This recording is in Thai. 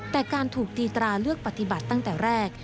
แต่การถูกตีตราเลือกปฏิบัติตั้งแต่แรก